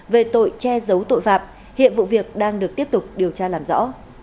về tội che giấu tội phạm hiện vụ việc đang được tiếp tục điều tra làm rõ